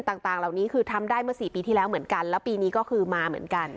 ต่างต่างเหล่านี้คือทำได้เมื่อสี่ปีที่แล้วเหมือนกันแล้วปีนี้ก็คือมาเหมือนกัน